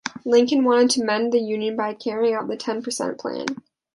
Lincoln wanted to mend the Union by carrying out the Ten percent plan.